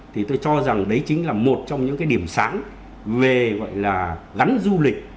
thì tôi cho rằng đấy chính là một trong những cái điểm sáng về gọi là gắn du lịch